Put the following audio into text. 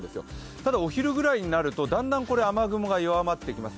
ただお昼ぐらいになるとだんだん雨雲が弱まってきます。